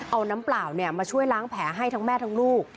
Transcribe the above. เอาน้ำเปล่ามาช่วยล้างแผลให้ทั้งแม่ทั้งลูก